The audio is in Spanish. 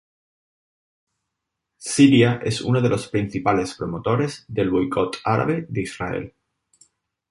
Siria es uno de los principales promotores del boicot árabe de Israel.